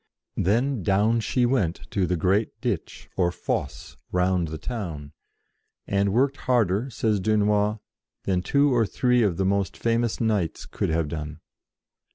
Then down she went to the great ditch or fosse round the town, and worked harder, says Dunois, than two or three of the most famous knights could have done.